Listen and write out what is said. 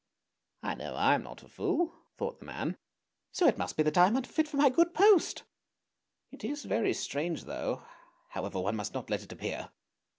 " I know I am not a fool! " thought the man, " so it must be that I am unfit for my good post ! It is very strange though ! however one must not let it appear!